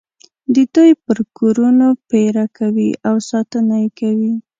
د دوی پر کورونو پېره کوي او ساتنه یې کوي.